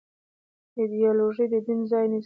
ایدیالوژي د دین ځای نيسي.